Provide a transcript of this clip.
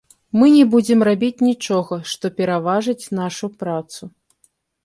Мы не будзем рабіць нічога, што пераважыць нашу працу.